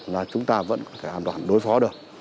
là chúng ta vẫn có thể an toàn đối phó được